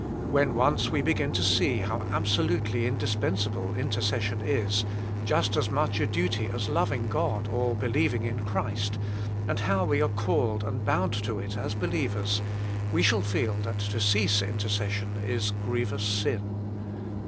When once we begin to see how absolutely indispensable intercession is, just as much a duty as loving God or believing in Christ, and how we are called and bound to it as believers, we shall feel that to cease intercession is grievous sin.